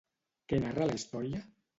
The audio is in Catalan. Què narra la història?